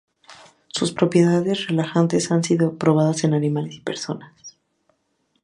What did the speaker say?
Sus propiedades relajantes han sido probadas en animales y personas.